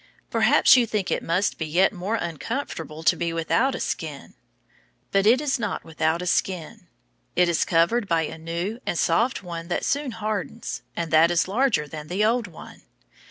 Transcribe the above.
Perhaps you think it must be yet more uncomfortable to be without a skin. But it is not without a skin. It is covered by a new and soft one that soon hardens, and that is larger than the old one.